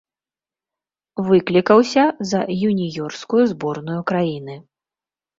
Выклікаўся за юніёрскую зборную краіны.